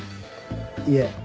いえ。